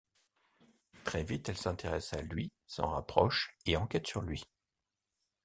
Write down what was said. Très vite elle s'intéresse à lui, s'en rapproche et enquête sur lui.